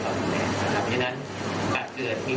การที่คุณท่านรอดรอดรู้จักความประชิมเนี่ย